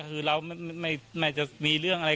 บอกแล้วบอกแล้วบอกแล้ว